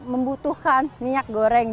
dia membutuhkan minyak goreng